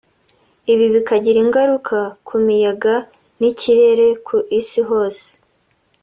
ibi bikagira ingaruka ku miyaga n’ikirere ku Isi hose